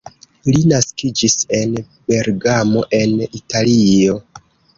Li naskiĝis en Bergamo en Italio.